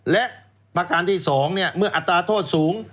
และประการที่๒เมื่ออัตราโทษสูง